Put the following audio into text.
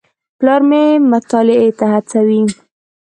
پلار مې مطالعې ته هڅوي.